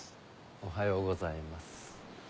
おはようございます。